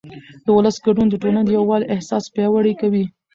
د ولس ګډون د ټولنې د یووالي احساس پیاوړی کوي